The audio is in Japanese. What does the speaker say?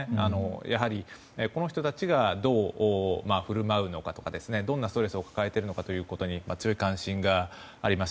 やはり、この人たちがどう振る舞うのかどんなストレスを抱えているのかとかに強い関心があります。